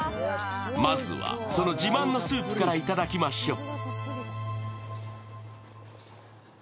まずは、その自慢のスープから頂きましょう。